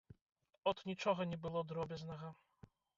От нічога не было дробязнага.